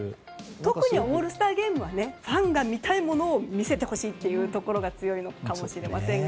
特にオールスターゲームはファンが見たいものを見せてほしいというところが強いかもしれませんが。